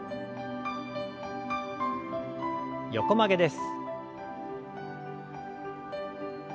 横曲げです。